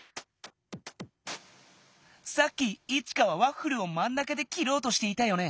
さっきイチカはワッフルをまん中できろうとしていたよね。